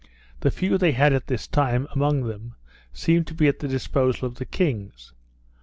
The few they had at this time, among them, seemed to be at the disposal of the kings.